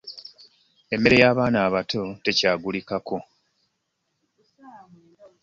Emmere y'abaana abato tekyagulikako!